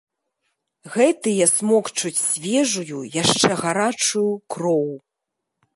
Гэтыя смокчуць свежую, яшчэ гарачую, кроў.